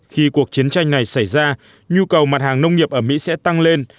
khi cuộc chiến tranh này xảy ra nhu cầu mặt hàng nông nghiệp ở mỹ sẽ tăng lên